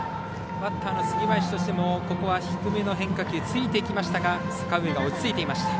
バッターの杉林としてもここは低めの変化球ついていきましたが阪上が落ち着いていました。